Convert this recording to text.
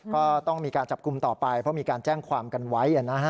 ก็ต้องมีการจับกลุ่มต่อไปเพราะมีการแจ้งความกันไว้